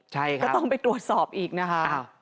ใช่ครับต้องไปตรวจสอบอีกนะครับอ้าว